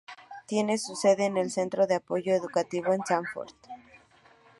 Tiene su sede en el Centro de Apoyo Educativo en Sanford.